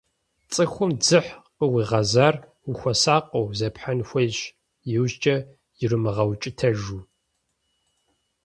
Цӏыхум дзыхь къыуигъэзар, ухуэсакъыу зепхьэн хуейщ, иужькӏэ ирумыгъэукӏытэжу.